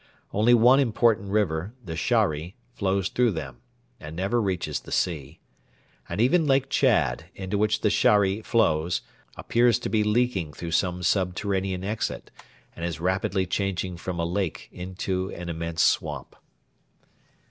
Only one important river, the Shari, flows through them, and never reaches the sea: and even Lake Chad, into which the Shari flows, appears to be leaking through some subterranean exit, and is rapidly changing from a lake into an immense swamp.